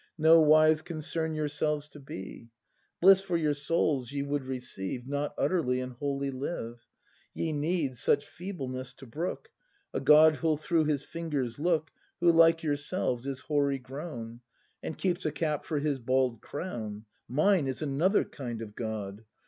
Nowise concern yourselves to b e ; Bliss for your souls ye would receive. Not utterly and wholly live; Ye need, such feebleness to brook, A God who'll through his fingers look, Who, like yourselves, is hoary grown. And keeps a cap for his bald crown. Mine is another kind of God!